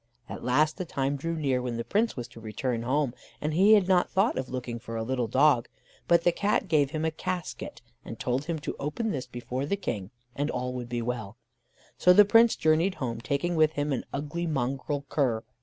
At last, the time drew near when the Prince was to return home, and he had not thought of looking for a little dog; but the Cat gave him a casket, and told him to open this before the King, and all would be well; so the Prince journeyed home, taking with him an ugly mongrel cur.